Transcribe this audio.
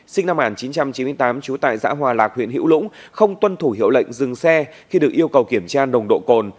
sinh năm một nghìn chín trăm chín mươi tám trú tại xã hòa lạc huyện hữu lũng không tuân thủ hiệu lệnh dừng xe khi được yêu cầu kiểm tra nồng độ cồn